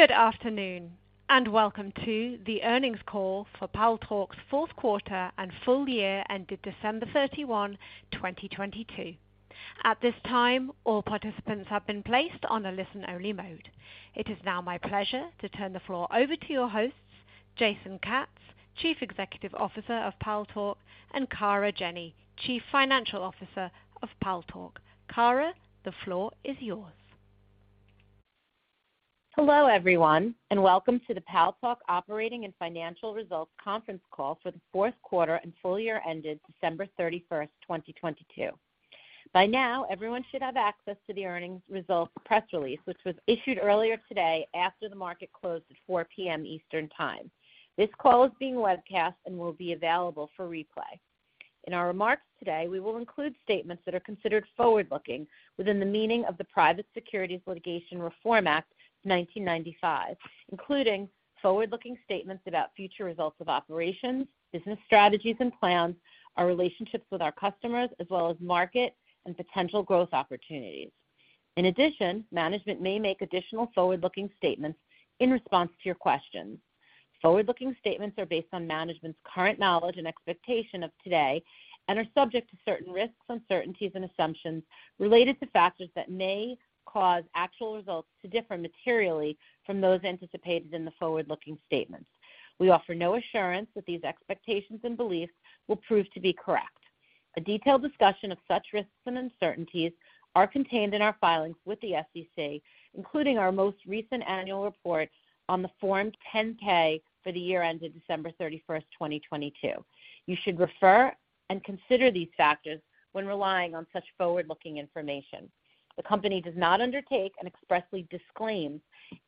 Good afternoon, and welcome to the earnings call for Paltalk fourth quarter and full year ended December 31, 2022. At this time, all participants have been placed on a listen-only mode. It is now my pleasure to turn the floor over to your hosts, Jason Katz, Chief Executive Officer of Paltalk, and Kara Jenny, Chief Financial Officer of Paltalk. Kara, the floor is yours. Hello, everyone, and welcome to the Paltalk Operating and Financial Results Conference Call for the fourth quarter and full year ended December 31st, 2022. By now, everyone should have access to the earnings results press release, which was issued earlier today after the market closed at 4:00 P.M. Eastern Time. This call is being webcast and will be available for replay. In our remarks today, we will include statements that are considered forward-looking within the meaning of the Private Securities Litigation Reform Act of 1995, including forward-looking statements about future results of operations, business strategies and plans, our relationships with our customers, as well as market and potential growth opportunities. In addition, management may make additional forward-looking statements in response to your questions. Forward-looking statements are based on management's current knowledge and expectation of today and are subject to certain risks, uncertainties, and assumptions related to factors that may cause actual results to differ materially from those anticipated in the forward-looking statements. We offer no assurance that these expectations and beliefs will prove to be correct. A detailed discussion of such risks and uncertainties are contained in our filings with the SEC, including our most recent annual report on the Form 10-K for the year ended December 31st, 2022. You should refer and consider these factors when relying on such forward-looking information. The company does not undertake and expressly disclaims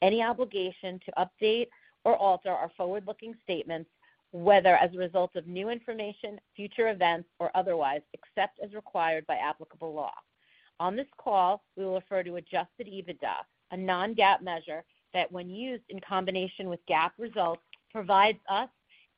any obligation to update or alter our forward-looking statements, whether as a result of new information, future events, or otherwise, except as required by applicable law. On this call, we will refer to adjusted EBITDA, a non-GAAP measure that, when used in combination with GAAP results, provides us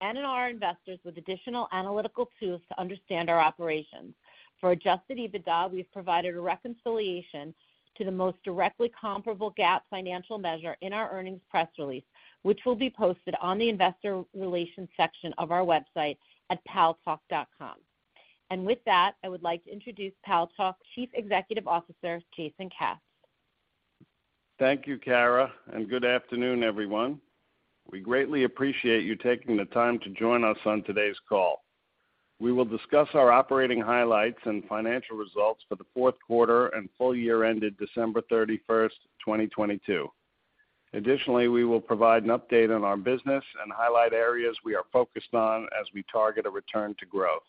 and our investors with additional analytical tools to understand our operations. For adjusted EBITDA, we've provided a reconciliation to the most directly comparable GAAP financial measure in our earnings press release, which will be posted on the investor relations section of our website at paltalk.com. With that, I would like to introduce Paltalk's Chief Executive Officer, Jason Katz. Thank you, Kara, and good afternoon, everyone. We greatly appreciate you taking the time to join us on today's call. We will discuss our operating highlights and financial results for the fourth quarter and full year ended December 31, 2022. Additionally, we will provide an update on our business and highlight areas we are focused on as we target a return to growth.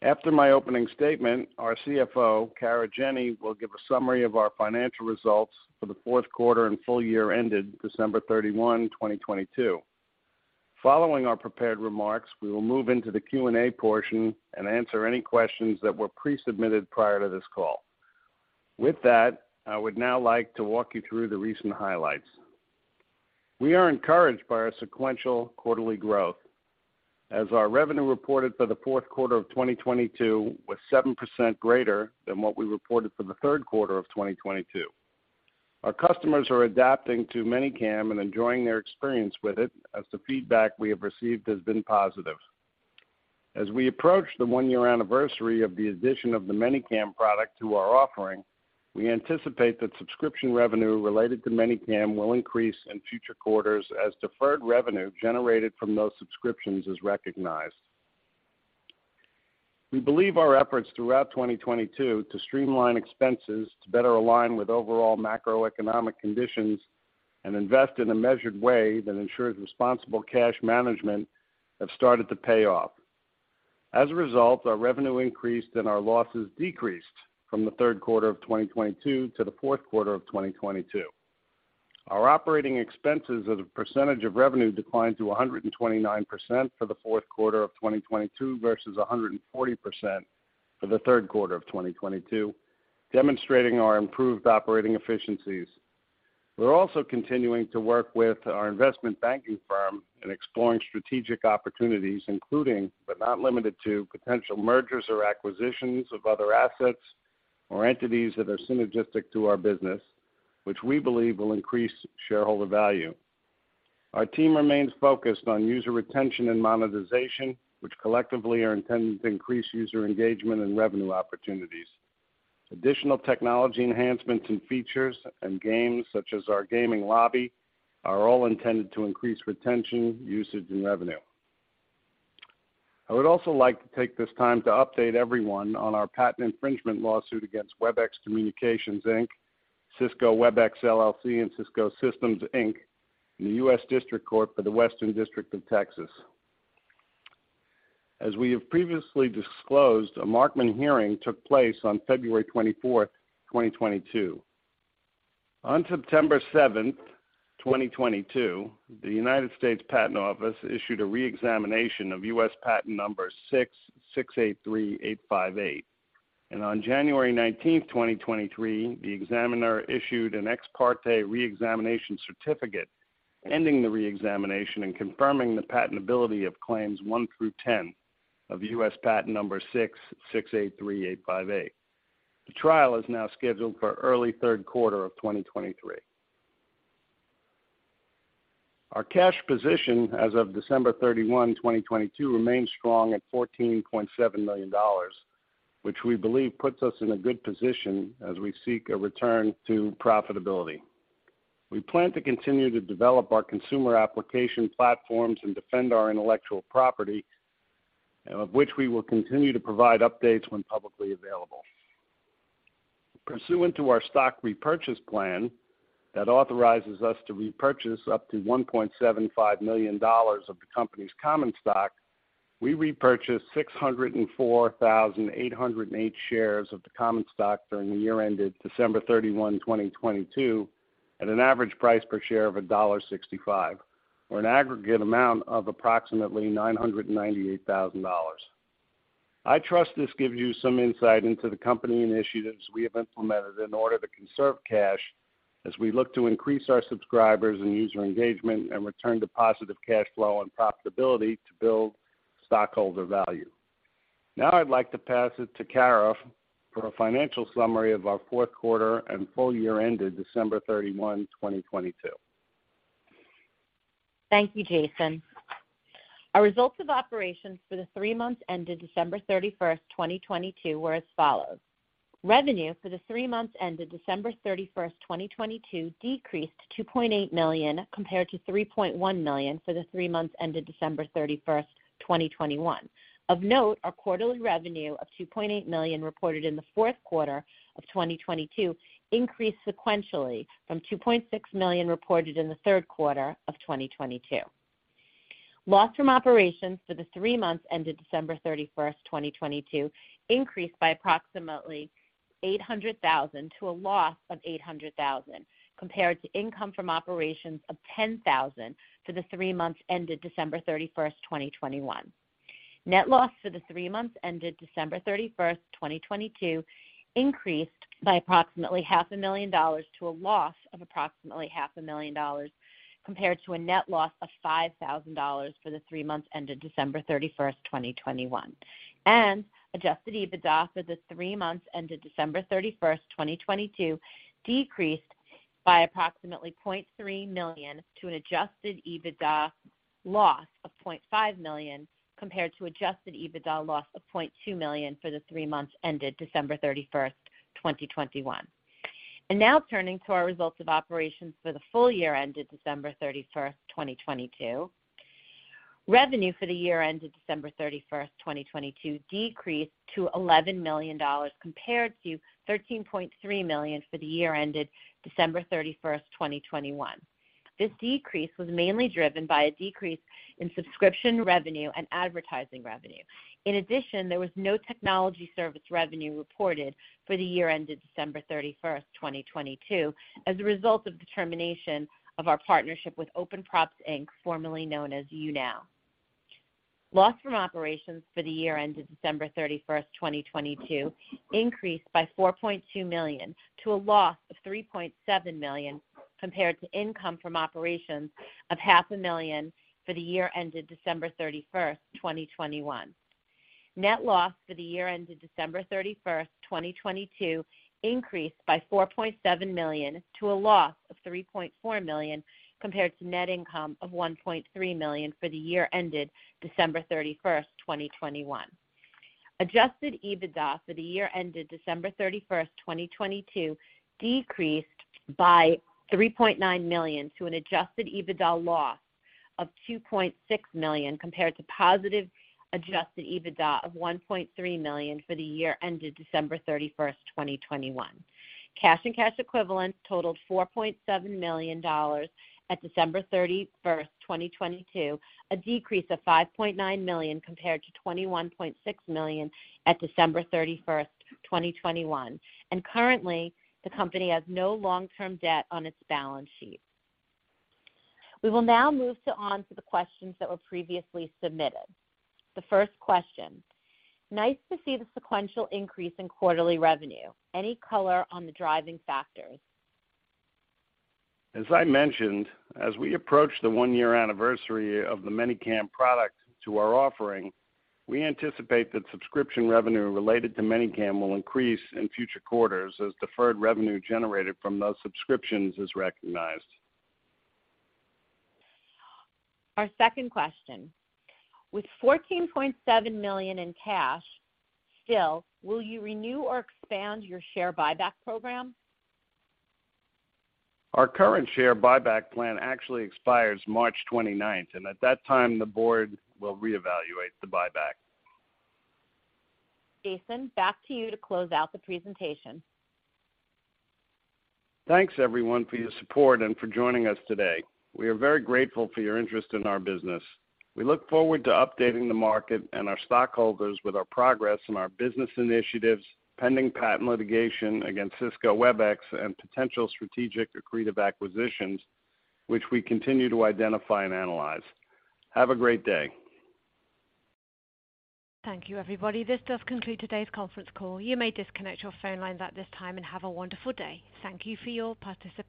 After my opening statement, our Chief Financial Officer, Kara Jenny, will give a summary of our financial results for the fourth quarter and full year ended December 31, 2022. Following our prepared remarks, we will move into the Q&A portion and answer any questions that were pre-submitted prior to this call. With that, I would now like to walk you through the recent highlights. We are encouraged by our sequential quarterly growth as our revenue reported for the fourth quarter of 2022 was 7% greater than what we reported for the third quarter of 2022. Our customers are adapting to ManyCam and enjoying their experience with it, as the feedback we have received has been positive. As we approach the one-year anniversary of the addition of the ManyCam product to our offering, we anticipate that subscription revenue related to ManyCam will increase in future quarters as deferred revenue generated from those subscriptions is recognized. We believe our efforts throughout 2022 to streamline expenses to better align with overall macroeconomic conditions and invest in a measured way that ensures responsible cash management have started to pay off. As a result, our revenue increased, and our losses decreased from the third quarter of 2022 to the fourth quarter of 2022. Our operating expenses as a percentage of revenue declined to 129% for the fourth quarter of 2022 versus 140% for the third quarter of 2022, demonstrating our improved operating efficiencies. We're also continuing to work with our investment banking firm in exploring strategic opportunities, including, but not limited to, potential mergers or acquisitions of other assets or entities that are synergistic to our business, which we believe will increase shareholder value. Our team remains focused on user retention and monetization, which collectively are intended to increase user engagement and revenue opportunities. Additional technology enhancements and features and games such as our gaming lobby are all intended to increase retention, usage, and revenue. I would also like to take this time to update everyone on our patent infringement lawsuit against WebEx Communications, Inc., Cisco WebEx LLC, and Cisco Systems, Inc. in the U.S. District Court for the Western District of Texas. As we have previously disclosed, a Markman hearing took place on February 24th, 2022. On September 7th, 2022, the United States Patent Office issued a reexamination of U.S. Patent No. 6,683,858. On January 19th, 2023, the examiner issued an ex parte reexamination certificate ending the reexamination and confirming the patentability of claims one through 10 of U.S. Patent No. 6,683,858. The trial is now scheduled for early third quarter of 2023. Our cash position as of December 31, 2022 remains strong at $14.7 million, which we believe puts us in a good position as we seek a return to profitability. We plan to continue to develop our consumer application platforms and defend our intellectual property, of which we will continue to provide updates when publicly available. Pursuant to our stock repurchase plan that authorizes us to repurchase up to $1.75 million of the company's common stock, we repurchased 604,808 shares of the common stock during the year ended December 31, 2022 at an average price per share of $1.65 or an aggregate amount of approximately $998,000. I trust this gives you some insight into the company initiatives we have implemented in order to conserve cash as we look to increase our subscribers and user engagement and return to positive cash flow and profitability to build stockholder value. I'd like to pass it to Kara for a financial summary of our fourth quarter and full year ended December 31, 2022. Thank you, Jason. Our results of operations for the three months ended December 31, 2022 were as follows: Revenue for the three months ended December 31, 2022 decreased to $2.8 million compared to $3.1 million for the three months ended December 31, 2021. Of note, our quarterly revenue of $2.8 million reported in the fourth quarter of 2022 increased sequentially from $2.6 million reported in the third quarter of 2022. Loss from operations for the three months ended December 31, 2022 increased by approximately $800,000 to a loss of $800,000, compared to income from operations of $10,000 for the three months ended December 31, 2021. Net loss for the three months ended December 31, 2022 increased by approximately half a million dollars to a loss of approximately half a million dollars, compared to a net loss of $5,000 for the three months ended December 31, 2021. Adjusted EBITDA for the three months ended December 31, 2022 decreased by approximately $0.3 million to an adjusted EBITDA loss of $0.5 million, compared to adjusted EBITDA loss of $0.2 million for the three months ended December 31, 2021. Now turning to our results of operations for the full year ended December 31, 2022. Revenue for the year ended December 31, 2022 decreased to $11 million compared to $13.3 million for the year ended December 31, 2021. This decrease was mainly driven by a decrease in subscription revenue and advertising revenue. In addition, there was no technology service revenue reported for the year ended December 31, 2022 as a result of the termination of our partnership with Open Props, Inc., formerly known as YouNow. Loss from operations for the year ended December 31, 2022 increased by $4.2 million to a loss of $3.7 million, compared to income from operations of half a million for the year ended December 31, 2021. Net loss for the year ended December 31, 2022 increased by $4.7 million to a loss of $3.4 million, compared to net income of $1.3 million for the year ended December 31, 2021. Adjusted EBITDA for the year ended December 31, 2022 decreased by $3.9 million to an adjusted EBITDA loss of $2.6 million, compared to positive adjusted EBITDA of $1.3 million for the year ended December 31, 2021. Cash and cash equivalents totaled $4.7 million at December 31, 2022, a decrease of $5.9 million compared to $21.6 million at December 31, 2021. Currently, the company has no long-term debt on its balance sheet. We will now move on to the questions that were previously submitted. The first question: Nice to see the sequential increase in quarterly revenue. Any color on the driving factors? As I mentioned, as we approach the one-year anniversary of the ManyCam product to our offering, we anticipate that subscription revenue related to ManyCam will increase in future quarters as deferred revenue generated from those subscriptions is recognized. Our second question: With $14.7 million in cash still, will you renew or expand your share buyback program? Our current share buyback plan actually expires March 29th, and at that time, the board will reevaluate the buyback. Jason, back to you to close out the presentation. Thanks, everyone, for your support and for joining us today. We are very grateful for your interest in our business. We look forward to updating the market and our stockholders with our progress on our business initiatives, pending patent litigation against Cisco WebEx, and potential strategic accretive acquisitions, which we continue to identify and analyze. Have a great day. Thank you, everybody. This does conclude today's conference call. You may disconnect your phone lines at this time and have a wonderful day. Thank you for your participation.